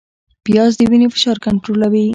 پیاز د وینې فشار کنټرولوي